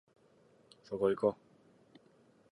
そこいこ